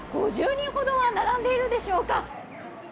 ５０人ほどが並んでいるでしょうか。